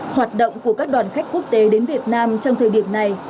hoạt động của các đoàn khách quốc tế đến việt nam trong thời điểm này